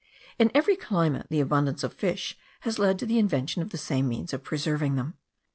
In every climate the abundance of fish has led to the invention of the same means of preserving them.